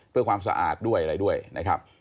เพื่อความสะอาดด้วยอะไรด้วยนะครับ